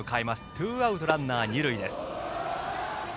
ツーアウトランナー、二塁です。